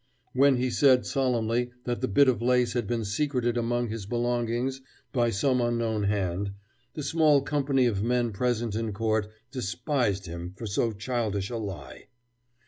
When he said solemnly that the bit of lace had been secreted among his belongings by some unknown hand, the small company of men present in court despised him for so childish a lie.